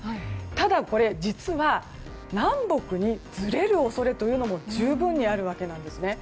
ただ、実は南北にずれる恐れというのも十分にあるわけなんですね。